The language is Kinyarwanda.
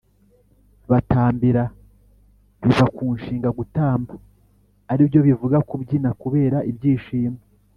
batambira: biva ku nshinga gutamba ari byo bivuga kubyina kubera ibyishimo